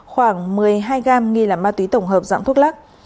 khoảng một mươi hai gam nghi là ma túy tổng hợp dạng thuốc lắc